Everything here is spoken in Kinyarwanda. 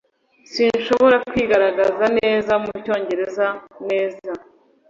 Sinshobora kwigaragaza neza mucyongereza neza